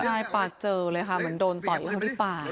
ใช่ป่าเจอเลยค่ะมันโดนต่อยลงที่ป่า